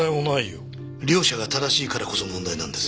両者が正しいからこそ問題なんです。